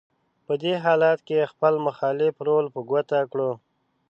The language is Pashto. په دې حالت کې خپل مخالف رول په ګوته کړو: